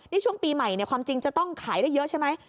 นี่ช่วงปีใหม่ความจริงจะต้องขายได้เยอะใช่ไหม